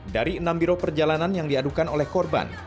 dari enam biro perjalanan yang diadukan oleh korban